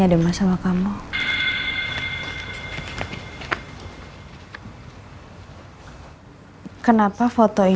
kalau mas al itu kakaknya mas roy